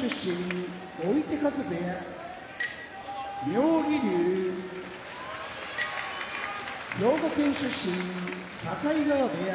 妙義龍兵庫県出身境川部屋